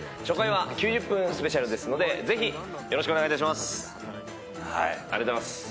初回は９０分スペシャルですのでぜひよろしくお願いいたします。